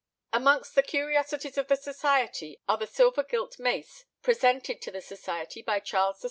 Amongst the curiosities of the society are the silver gilt mace presented to the society by Charles II.